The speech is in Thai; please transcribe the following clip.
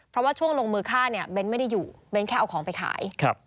เพราะว่าช่วงลงมือฆ่าเนี่ยเบ้นไม่ได้อยู่เบ้นแค่เอาของไปขาย